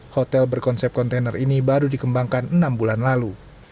hotel berkonsep kontainer ini baru dikembangkan enam bulan lalu